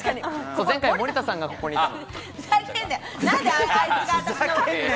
前回、森田さんがここにいたの。